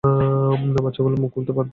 বাচ্চাগুলো মুখ খুলতে বাধ্য।